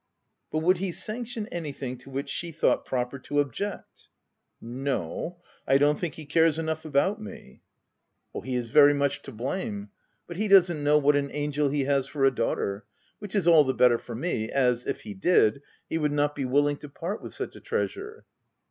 u But would he sanction anything to which she thought proper to object V 3 " No, I don't think he cares enough about OF WILDFELL HALL. 7 " He is very much to blame— but he doesn't know what an angel he has for his daughter — which is all the better for me, as, if he did, he would not be willing to part with such a trea sure."